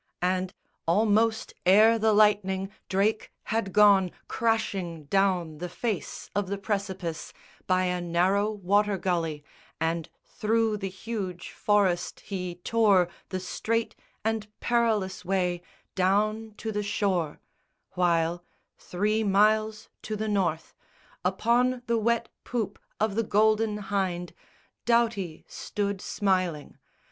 And, almost ere the lightning, Drake had gone Crashing down the face of the precipice, By a narrow water gully, and through the huge Forest he tore the straight and perilous way Down to the shore; while, three miles to the North, Upon the wet poop of the Golden Hynde Doughty stood smiling.